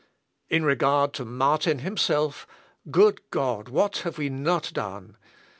In regard to Martin himself, good God! what have we not done!